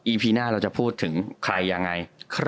พีหน้าเราจะพูดถึงใครยังไง